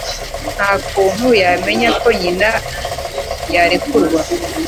Nta kuntu yamenya ko nyina yarekurwa.